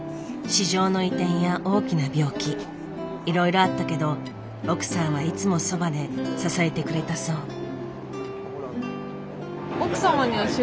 市場の移転や大きな病気いろいろあったけど奥さんはいつもそばで支えてくれたそう。